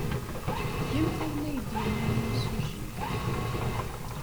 Gemt ayen ay d-yenna yimsujji.